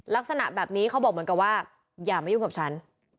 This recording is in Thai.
ลักษณะแบบนี้เขาบอกเหมือนกับว่าอย่ามายุ่งกับฉัน